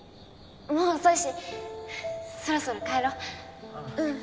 もう遅いしそろそろ帰ろう。